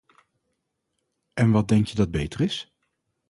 En wat denk je dat beter is?